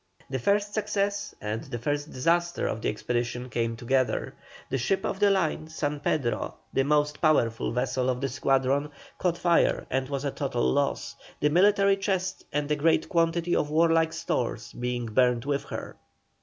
The first success and the first disaster of the expedition came together. The ship of the line San Pedro, the most powerful vessel of the squadron, caught fire and was a total loss, the military chest and a great quantity of warlike stores being burned with her.